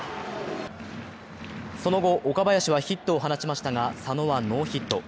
その後、岡林はヒットを放ちますが佐野はノーヒット。